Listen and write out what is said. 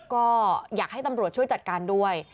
ก็อยากให้ตำรวจช่วยจัดการด้วย